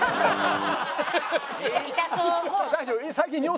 痛そう。